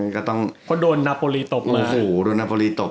ค่ะโดนนโปรีตบง่ะ